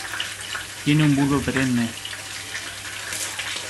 Tiene un bulbo perenne.